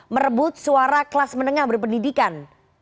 merebut suara kelas menengah berpendidikan